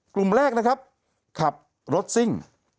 กลุ่มแรกนะครับขับรถซิ่ง